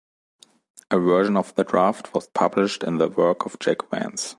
A version of the draft was published in The Work of Jack Vance.